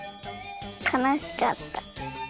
かなしかった。